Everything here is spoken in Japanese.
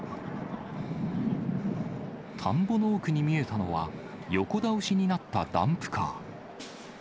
田んぼの奥に見えたのは、横倒しになったダンプカー。